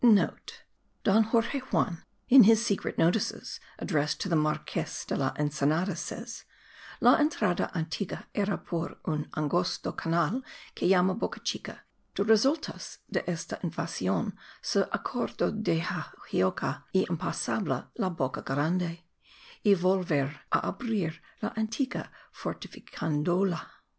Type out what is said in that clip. (* Don Jorge Juan in his Secret Notices addressed to the Marques de la Ensenada says: La entrada antigua era por un angosto canal que llaman Boca Chica; de resultas de esta invasion se acordo deja cioga y impassable la Boca Grande, y volver a abrir la antigua fortificandola.